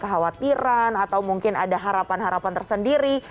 kekhawatiran atau mungkin ada harapan harapan tersendiri